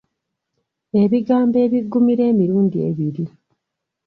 Ebigambo ebiggumira emirundi ebiri.